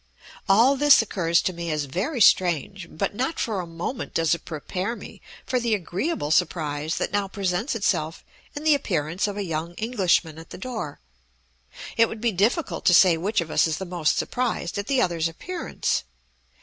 All this occurs to me as very strange; but not for a moment does it prepare me for the agreeable surprise that now presents itself in the appearance of a young Englishman at the door. It would be difficult to say which of us is the most surprised at the other's appearance.